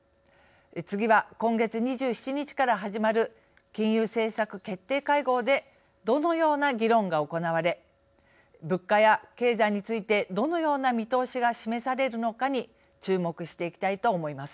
次は今月２７日から始まる金融政策決定会合でどのような議論が行われ物価や経済についてどのような見通しが示されるのかに注目していきたいと思います。